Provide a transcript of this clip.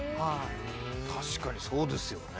確かにそうですよね。